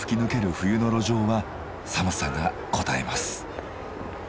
冬の路上は寒さがこたえます。